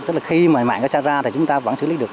tức là khi mà mạng nó xảy ra thì chúng ta vẫn xử lý được